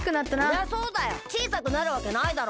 そりゃそうだよちいさくなるわけないだろ。